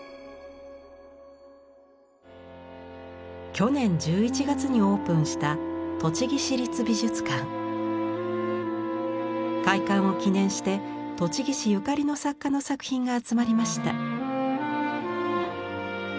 去年１１月にオープンした開館を記念して栃木市ゆかりの作家の作品が集まりました。